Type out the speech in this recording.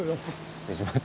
失礼します。